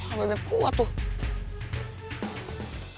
sahabatnya kuat tuh